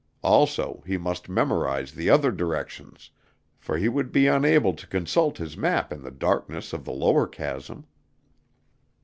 Also, he must memorize the other directions, for he would be unable to consult his map in the darkness of the lower chasm.